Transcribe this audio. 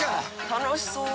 楽しそう。